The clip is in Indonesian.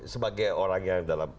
sebagai orang yang dalam